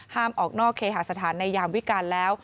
ออกนอกเคหาสถานในยามวิการแล้ว